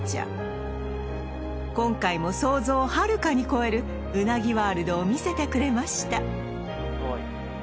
今回も想像をはるかに超える鰻ワールドを見せてくれました